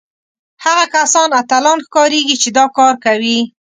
هغه کسان اتلان ښکارېږي چې دا کار کوي